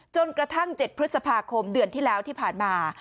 จนกระทั่ง๗พฤษภาคมเดือนที่แล้วที่ผ่านมา